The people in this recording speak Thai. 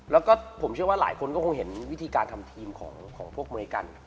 แล้วก็ผมเชื่อว่าหลายคนก็คงเห็นวิธีการทำทีมของพวกอเมริกัน